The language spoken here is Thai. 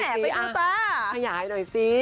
ให้ดูหน่อยสิ